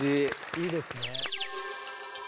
いいですね。